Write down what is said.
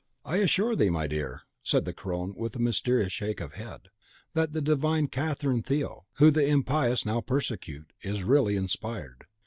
"I assure thee, my dear," said the crone, with a mysterious shake of head, "that the divine Catherine Theot, whom the impious now persecute, is really inspired.